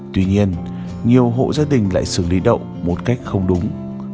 tuy nhiên nhiều hộ gia đình lại xử lý đậu một cách không đúng